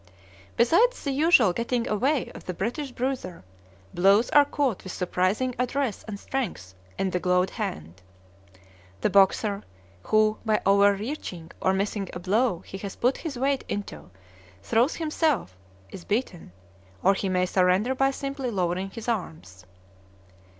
Besides the usual "getting away" of the British bruiser, blows are caught with surprising address and strength in the gloved hand. The boxer who by overreaching, or missing a blow he has put his weight into, throws himself, is beaten; or he may surrender by simply lowering his arms.